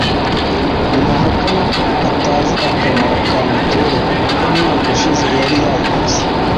ntahakana ko atazi akamaro ka mituweli kuko umwaka ushize yari yayiguze